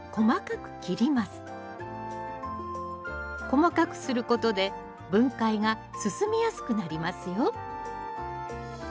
細かくすることで分解が進みやすくなりますよ